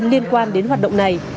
liên quan đến hoạt động này